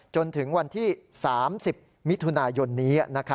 จนถึงวันที่๓๐มิยนี้